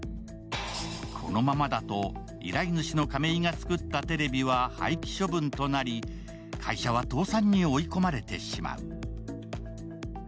このままだと依頼主の亀井が作ったテレビは廃棄処分となり、会社は倒産に追い込まれてしまう。